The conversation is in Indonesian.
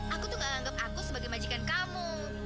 aku tuh gak anggap aku sebagai majikan kamu